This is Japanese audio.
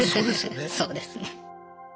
そうですね。